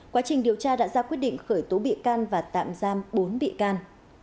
quá trình điều tra đã ra quyết định khởi tố bị can và tạm giam bốn bị can